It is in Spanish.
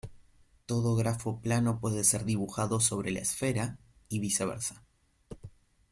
Todo grafo plano puede ser dibujado sobre la esfera, y viceversa.